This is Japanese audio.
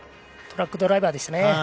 トラックドライバーですね。